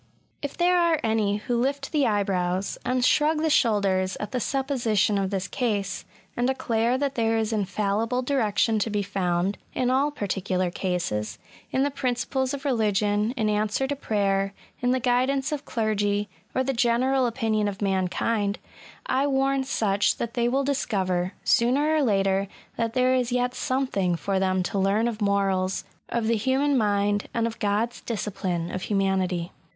If there are any who lift the eyebrows, and shrug the shoulders at the supposition of this case, and declare that there is infallible direction to be found, in all particular cases, in the prin* ciples of religion, in answer to prayer, in the guidance of clergy, or the general opinion of man kind, I warn such that they wiU discoyer, sooner or later, that there is yet something for them to learn of morals, of the human mind, and of God's discipline of humanity.